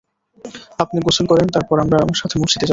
আপনি গোসল করেন, তারপর আমার সাথে মসজিদে যাবেন।